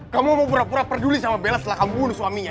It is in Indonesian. kamu mau pura pura peduli sama bella setelah kamu dulu suaminya